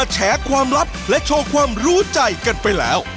แฉความลับและโชว์ความรู้ใจกันไปแล้ว